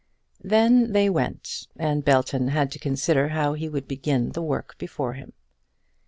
Then they went, and Belton had to consider how he would begin the work before him.